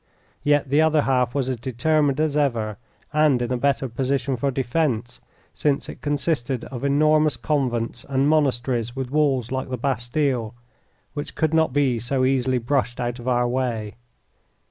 Yet the other half was as determined as ever and in a better position for defence, since it consisted of enormous convents and monasteries with walls like the Bastille, which could not be so easily brushed out of our way.